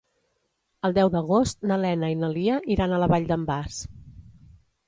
El deu d'agost na Lena i na Lia iran a la Vall d'en Bas.